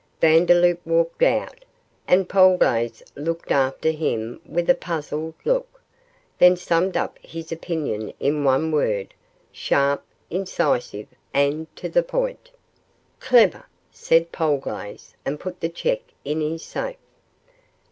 Vandeloup walked out, and Polglaze looked after him with a puzzled look, then summed up his opinion in one word, sharp, incisive, and to the point 'Clever!' said Polglaze, and put the cheque in his safe.